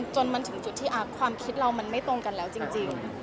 จนมันถึงจุดที่ความคิดเรามันไม่ตรงกันแล้วจริง